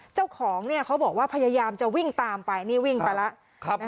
เจ้าของเขาบอกว่าพยายามจะวิ่งตามไปนี่วิ่งไปแล้ว